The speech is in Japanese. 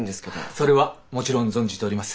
それはもちろん存じております。